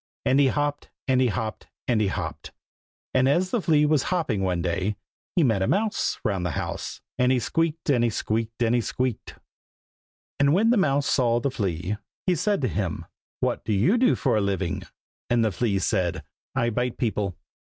And he hopped, And he hopped, And he hopped. And as the flea was hopping one day, He met a mouse, Round the house, And he squeaked, And he squeaked, And he squeaked. And when the mouse saw the flea, he said to him, "what do you do for a living?" and the flea said "I bite people."